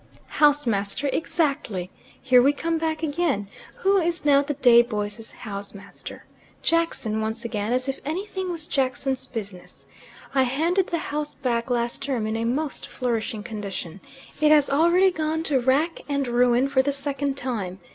"House master exactly. Here we come back again. Who is now the day boys' house master? Jackson once again as if anything was Jackson's business! I handed the house back last term in a most flourishing condition. It has already gone to rack and ruin for the second time.